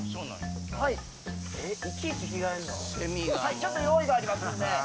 ちょっと用意がありますんで。